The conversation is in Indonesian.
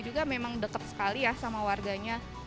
juga memang deket sekali ya sama warganya